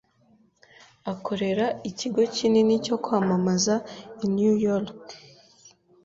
Akorera ikigo kinini cyo kwamamaza i New York.